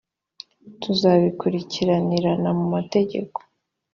tuzabikurikirana mu mategeko